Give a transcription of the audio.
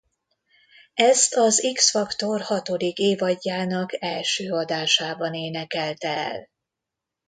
Ezt az X Factor hatodik évadjának első adásában énekelte el.